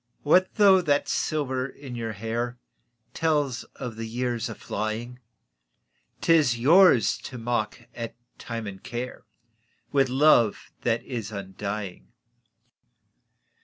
What though that silver in your hair Tells of the years aflying? 'T is yours to mock at Time and Care With love that is undying.